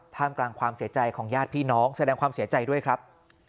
กลางความเสียใจของญาติพี่น้องแสดงความเสียใจด้วยครับ